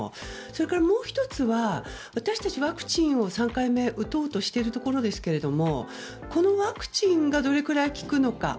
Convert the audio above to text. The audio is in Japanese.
それからもう１つは、私たちワクチンを３回目、打とうとしているところですけどもこのワクチンがどれくらい効くのか。